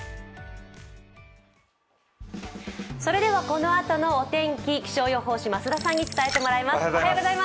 それではこのあとのお天気、気象予報士、増田さんに伝えてもらいます。